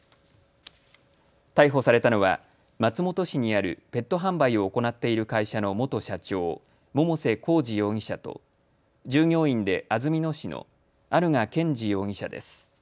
逮捕されたのは松本市にあるペット販売を行っている会社の元社長、百瀬耕二容疑者と従業員で安曇野市の有賀健児容疑者です。